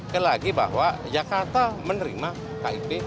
kelagi bahwa jakarta menerima kip